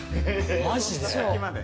マジで？